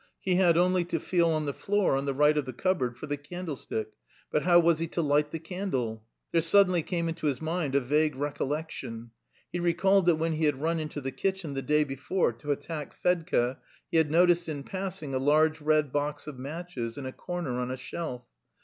He had only to feel on the floor on the right of the cupboard for the candlestick; but how was he to light the candle? There suddenly came into his mind a vague recollection: he recalled that when he had run into the kitchen the day before to attack Fedka he had noticed in passing a large red box of matches in a corner on a shelf.